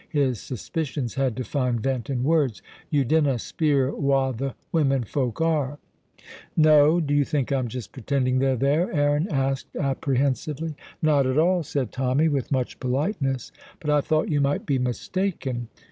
His suspicions had to find vent in words: "You dinna speir wha the women folk are?" "No." "Do you think I'm just pretending they're there?" Aaron asked apprehensively. "Not at all," said Tommy, with much politeness, "but I thought you might be mistaken."